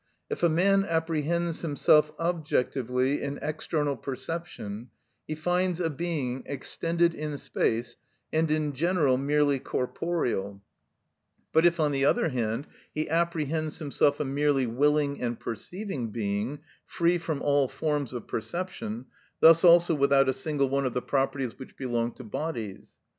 If a man apprehends himself objectively in external perception, he finds a being extended in space and in general merely corporeal; but if, on the other hand, he apprehends himself in mere self consciousness, thus purely subjectively, he finds himself a merely willing and perceiving being, free from all forms of perception, thus also without a single one of the properties which belong to bodies.